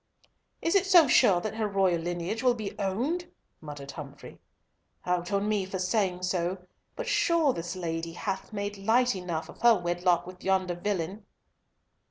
"Is it so sure that her royal lineage will be owned?" muttered Humfrey. "Out on me for saying so! But sure this lady hath made light enough of her wedlock with yonder villain."